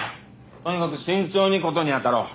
とにかく慎重に事に当たろう。